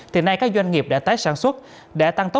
thì nay các doanh nghiệp đã tái sản xuất